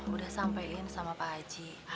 udah sampein sama pak haji